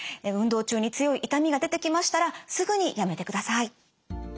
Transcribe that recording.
運動中に強い痛みが出てきましたらすぐにやめてください。